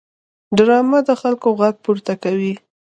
ډرامه د خلکو غږ پورته کوي